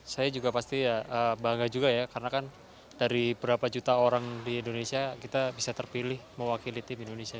saya juga pasti ya bangga juga ya karena kan dari berapa juta orang di indonesia kita bisa terpilih mewakili tim indonesia